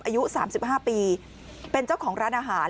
อายุ๓๕ปีเป็นเจ้าของร้านอาหาร